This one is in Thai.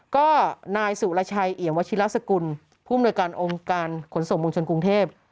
ก็หนายสู่ละชัยเหยียงวชิฤษกุลผู้โมนวยการองค์การขนสมวงชนกรุงเทพฯ